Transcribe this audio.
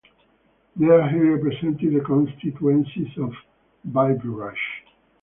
There he represented the constituency of Biberach.